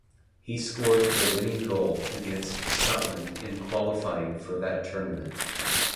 He scored the winning goal against Scotland in qualifying for that tournament.